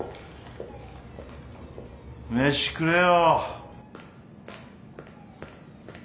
飯くれよ。